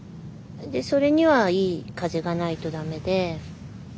それにはいい風がないと駄目で。